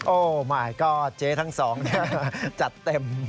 โอ้มายก๊อดเจ๊ทั้งสองเนี่ยจัดเต็ม